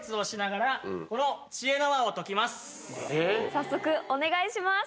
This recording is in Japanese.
早速お願いします。